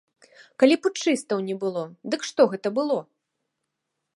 Калі путчыстаў не было, дык што гэта было?